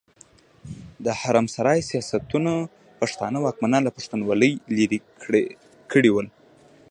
د حرم سرای سياستونو پښتانه واکمنان له پښتونولي ليرې کړي ول.